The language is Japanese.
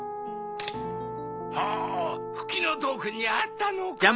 ほうふきのとうくんにあったのかい。